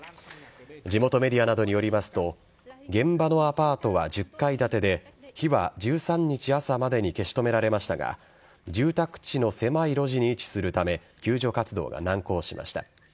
地元メディアなどによりますと現場のアパートは１０階建てで火は１３日朝までに消し止められましたが住宅地の狭い路地に位置するため救助活動が難航しました。